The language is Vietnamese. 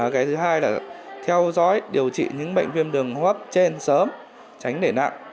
cái thứ hai là theo dõi điều trị những bệnh viêm đường hô hấp trên sớm tránh để nặng